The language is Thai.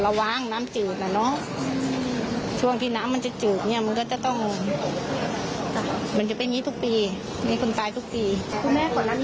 คุณแม่ก่อนแล้วนี่มีรังสังหรณ์ใช่ไหม